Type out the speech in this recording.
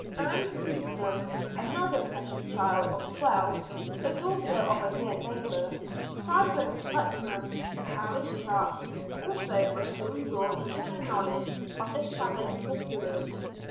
Ann Putnam, another precocious child of twelve, the daughter of a near neighbor, Sergeant Putnam, the parish clerk, also was soon drawn into the knowledge of the savage mysteries.